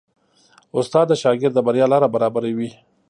استاد د شاګرد د بریا لاره برابروي.